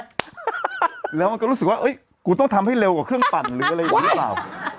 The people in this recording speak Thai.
แล้วมันก็รู้สึกว่ากูต้องทำให้เร็วกว่าเครื่องปั่นหรืออะไรอย่างนี้หรือเปล่า